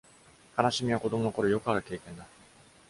悲しみは子供のころよくある経験だ。